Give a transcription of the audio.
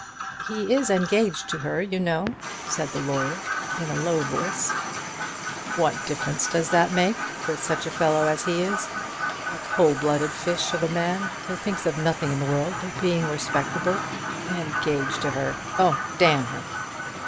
"He is engaged to her, you know," said the lawyer, in a low voice. "What difference does that make with such a fellow as he is, a cold blooded fish of a man, who thinks of nothing in the world but being respectable? Engaged to her! Oh, damn him!"